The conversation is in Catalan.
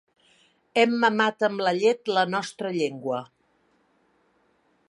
Hem mamat amb la llet la nostra llengua.